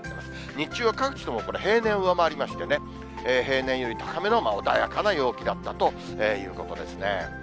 日中は各地とも平年を上回りましてね、平年より高めの穏やかな陽気だったということですね。